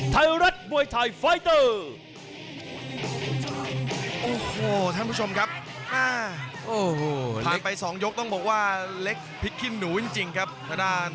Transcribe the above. ไทยรัฐมวยไทยไฟเตอร์โอ้โหท่านผู้ชมครับอ้าโอ้โหผ่านไปสองยกต้องบอกว่าเล็กพริกขี้หนูจริงจริงครับ